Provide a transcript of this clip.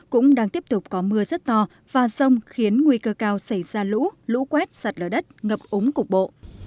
cũng đang tiếp tục có mưa rất to và rông khiến nguy cơ cao xảy ra lũ lũ quét sạt lở đất ngập úng cục bộ